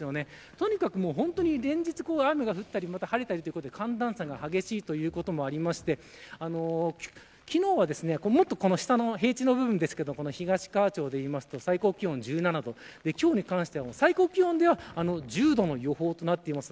とにかく連日雨が降ったり晴れたりということで寒暖差が激しいということもあって昨日は、もっと下の平地の部分東川町でいうと最高気温１７度今日に関しても最高気温では１０度の予想となっています。